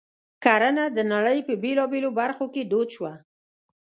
کرنه د نړۍ په بېلابېلو برخو کې دود شوه.